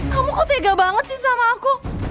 kamu kok tega banget sih sama aku